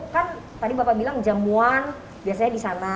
kan tadi bapak bilang jamuan biasanya di sana